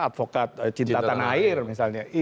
advokat cinta tanah air misalnya